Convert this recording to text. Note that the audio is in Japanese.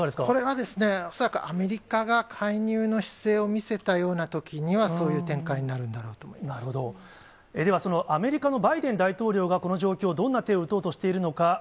これは恐らく、アメリカが介入の姿勢を見せたようなときには、そういう展開になでは、そのアメリカのバイデン大統領がこの状況を、どんな手を打とうとしているのか。